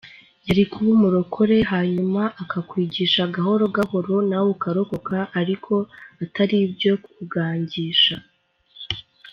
Yari kuba umurokore hanyuma akakwigisha gahoro gahoro nawe ukarokoka ariko ataribyo kugukangisha.